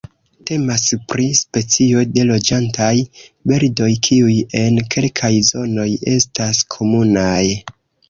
Temas pri specio de loĝantaj birdoj, kiuj en kelkaj zonoj estas komunaj.